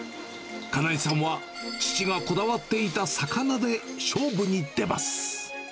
金井さんは、父がこだわっていた魚で勝負に出ます。